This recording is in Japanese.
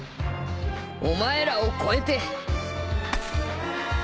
お前らを超えて。